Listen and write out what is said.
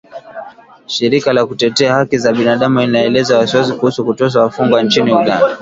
shirika la kutetea haki za binadamu inaelezea wasiwasi kuhusu kuteswa wafungwa nchini Uganda